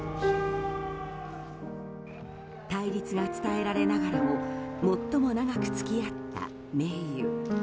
対立が伝えられながらも最も長く付き合った盟友。